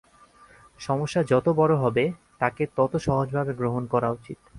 সমস্যা যত বড় হবে, তাকে তাত সহজভাবে গ্রহণ করা উচিত।